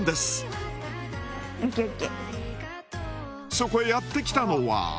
そこへやってきたのは。